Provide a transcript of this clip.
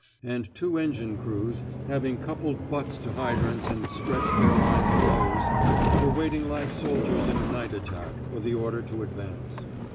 And two engine crews, having coupled butts to hydrants and stretched their lines of hose, were waiting like soldiers in a night attack for the order to advance.